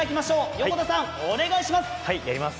横田さん、お願いします！